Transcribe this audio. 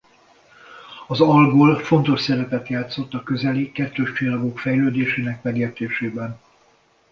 Az Algol fontos szerepet játszott a közeli kettőscsillagok fejlődésének megértésében.